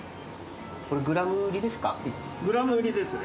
グラム売りですか？